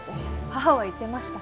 母は言っていました。